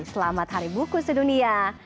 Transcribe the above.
selamat hari bukit sedunia